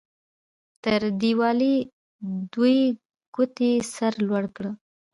تر دیوالۍ دوې ګوتې سر لوړ کړه.